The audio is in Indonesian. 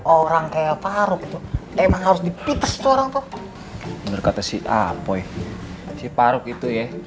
orang kayak parut emang harus dipites orang orang kata si apoi si parut itu ya